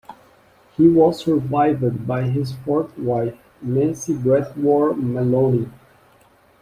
He was survived by his fourth wife, Nancy Breetwor-Malone.